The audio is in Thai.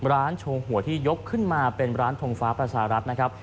โชว์หัวที่ยกขึ้นมาเป็นร้านทงฟ้าประชารัฐนะครับ